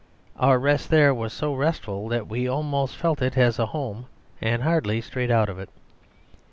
Our rest there was so restful that we almost felt it as a home, and hardly strayed out of it.